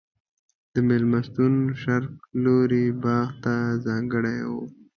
د مېلمستون شرق لوری باغ ته ځانګړی و.